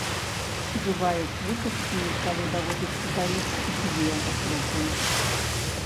Бываюць выпадкі, калі даводзіцца даіць дзве групы.